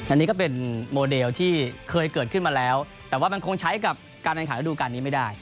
อันนี้ก็เป็นโมเดลที่เคยเกิดขึ้นมาแล้วแต่ว่ามันคงใช้กับการแข่งขันระดูการนี้ไม่ได้